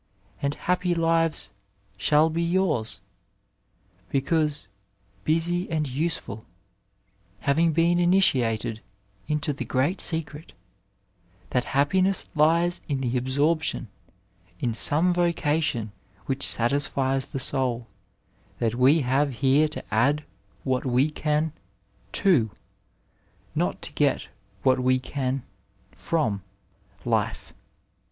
And happy lives shall be yours, became busy and useful ; having been initiated into the great secret — ^that happiness lies in the absorption in some vocation which satisfies the soul ; that w6 have here to add what we can to, not to get what we can from, life.